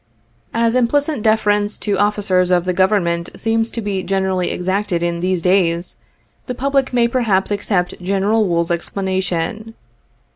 As implicit deference to officers of the Government seems to be generally exacted in these days, the public may perhaps accept General Wool's explanation.